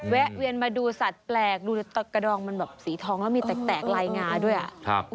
แวนมาดูสัตว์แปลกดูกระดองมันแบบสีทองแล้วมีแตกลายงาด้วยอ่ะ